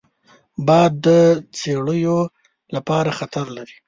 باد د څړیو لپاره خطر لري